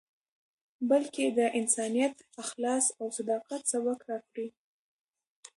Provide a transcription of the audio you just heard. بلکې د انسانیت، اخلاص او صداقت، سبق راکړی.